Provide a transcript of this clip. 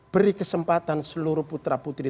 beri kesempatan seluruh putra putri